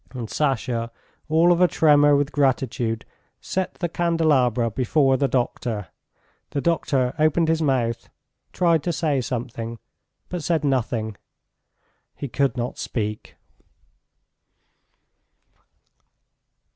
..." And Sasha, all of a tremor with gratitude, set the candelabra before the doctor. The doctor opened his mouth, tried to say something, but said nothing: he could not speak.